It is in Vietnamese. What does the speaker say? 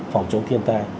phòng chống thiên tai